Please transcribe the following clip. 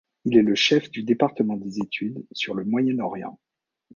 Il est le chef du département des études sur le Moyen-Orient.